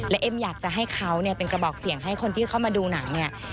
และเอ็มอยากจะให้เขาเนี่ยเป็นกระบอกเสียงให้คนที่เข้ามาดูหนังเนี่ย